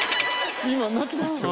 今なってましたよ